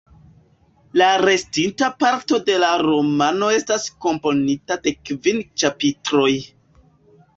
La restinta parto de la romano estas komponita de kvin ĉapitroj.